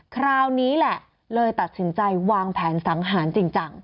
คราวนี้แหละเลยตัดสินใจวางแผนสังหารจริงจัง